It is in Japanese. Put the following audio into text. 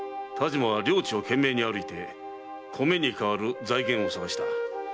但馬は領地を懸命に歩いて米に代わる財源を探した。